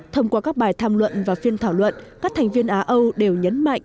thông qua các bài tham luận và phiên thảo luận các thành viên á âu đều nhấn mạnh